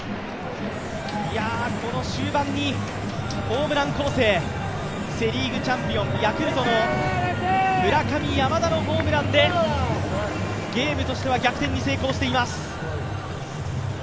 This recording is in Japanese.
この終盤にホームラン攻勢セ・リーグチャンピオンヤクルトの村上・山田のホームランでゲームとしては逆転に成功しています。